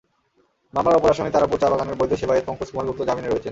মামলার অপর আসামি তারাপুর চা-বাগানের বৈধ সেবায়েত পংকজ কুমার গুপ্ত জামিনে রয়েছেন।